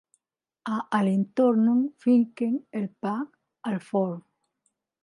A Alentorn fiquen el pa al forn.